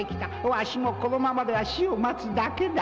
「わしもこのままでは死を待つだけだ」